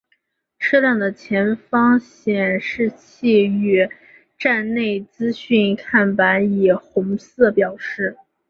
车辆的方向显示器与站内资讯看板以红色代表。